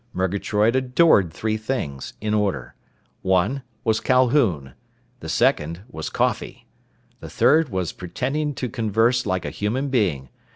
Murgatroyd adored three things, in order. One was Calhoun. The second was coffee. The third was pretending to converse like a human being.